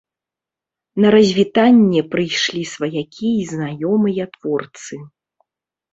На развітанне прыйшлі сваякі і знаёмыя творцы.